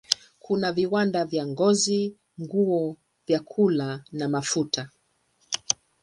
Kuna viwanda vya ngozi, nguo, vyakula na mafuta.